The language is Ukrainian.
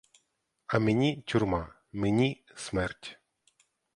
А мені — тюрма, мені — смерть.